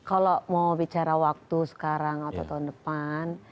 kalau mau bicara waktu sekarang atau tahun depan